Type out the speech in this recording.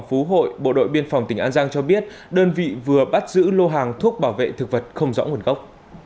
phú hội bộ đội biên phòng tỉnh an giang cho biết đơn vị vừa bắt giữ lô hàng thuốc bảo vệ thực vật không rõ nguồn gốc